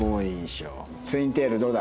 ツインテールどうだ？